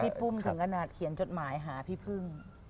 ปุ้มถึงขนาดเขียนจดหมายหาพี่พึ่ง